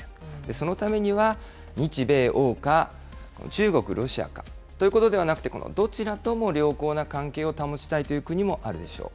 そのためには、日米欧か、中国、ロシアかということではなくて、どちらとも良好な関係を保ちたいという国もあるでしょう。